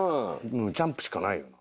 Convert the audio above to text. ジャンプしかないの？